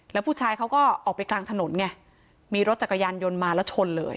แล้วผู้ชายเขาก็ออกไปกลางถนนไงมีรถจักรยานยนต์มาแล้วชนเลย